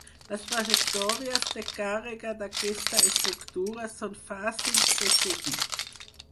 Les trajectòries de càrrega d'aquesta estructura són fàcils de seguir.